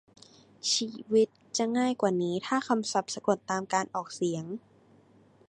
ชีวิตจะง่ายกว่านี้ถ้าคำศัพท์สะกดตามการออกเสียง